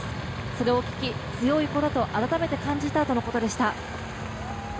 それを聞き、強い子だと改めて感じたとのことでした。